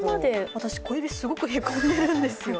私、小指、すごくへこんでいるんですよ。